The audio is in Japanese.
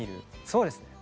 そうですね。